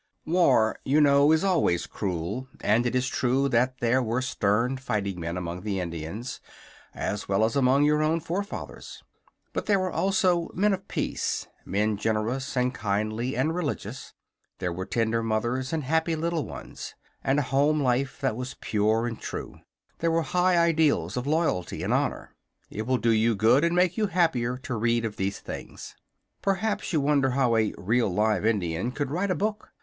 War, you know, is always cruel, and it is true that there were stern fighting men among the Indians, as well as among your own forefathers. But there were also men of peace, men generous and kindly and religious. There were tender mothers, and happy little ones, and a home life that was pure and true. There were high ideals of loyalty and honor. It will do you good and make you happier to read of these things. Perhaps you wonder how a "real, live Indian" could write a book.